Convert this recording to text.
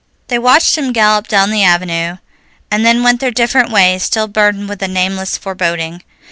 They watched him gallop down the avenue, and then went their different ways, still burdened with a nameless foreboding.